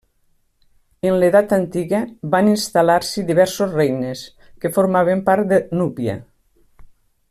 En l'edat antiga, van instal·lar-s'hi diversos regnes, que formaven part de Núbia.